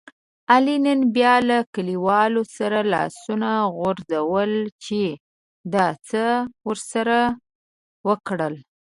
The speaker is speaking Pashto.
علي نن بیا له کلیوالو سره لاسونه غورځول چې ده څه ورسره وکړل.